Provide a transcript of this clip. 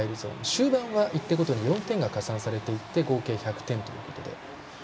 終盤は４点が加算されて合計１００点ということで。